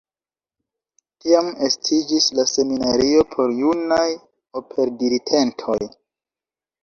Tiam estiĝis la seminario por junaj operdiritentoj.